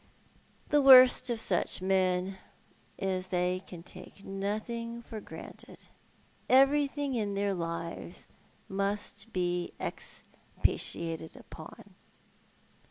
The worst of such men is that they can take nothing for granted. Everything in their lives must be expatiated upon."